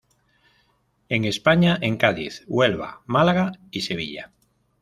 En España en Cádiz, Huelva, Málaga y Sevilla.